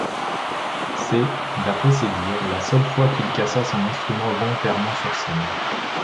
C'est, d'après ses dires, la seule fois qu'il cassa son instrument volontairement sur scène.